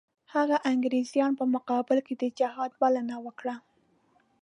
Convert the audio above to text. هغه انګریزانو په مقابل کې د جهاد بلنه ورکړه.